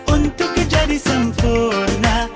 untuk kejadi sempurna